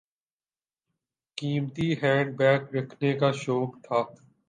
قیمتی handbag رکھنے کا شوق تھا۔